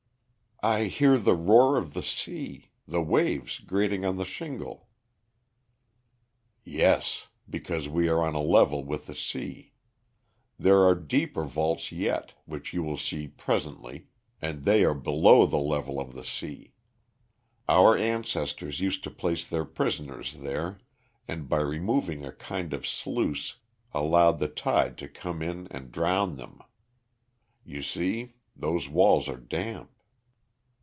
"I hear the roar of the sea, the waves grating on the shingle." "Yes, because we are on a level with the sea. There are deeper vaults yet, which you will see presently, and they are below the level of the sea. Our ancestors used to place their prisoners there, and, by removing a kind of sluice, allowed the tide to come in and drown them. You see, those walls are damp."